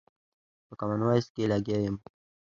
په کامن وايس کښې لګيا ىمه